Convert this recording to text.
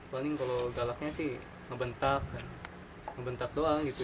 paling kalau galaknya sih ngebentak ngebentak doang gitu